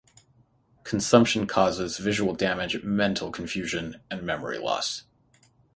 Consumption causes visual damage, mental confusion, and memory loss.